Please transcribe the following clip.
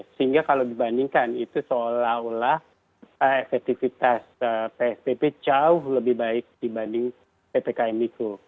sehingga kalau dibandingkan itu seolah olah efektivitas psbb jauh lebih baik dibanding ppkm mikro